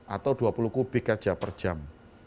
atau dua puluh kubik aja per jam